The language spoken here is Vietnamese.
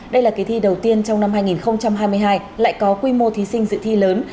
đây là kỳ thi đầu tiên trong năm hai nghìn hai mươi hai lại có quy mô thí sinh dự thi lớn